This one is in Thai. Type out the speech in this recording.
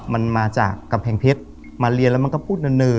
มันมาจากกำแพงเพชรมาเรียนแล้วมันก็พูดน่ะแล้วอย่างนี้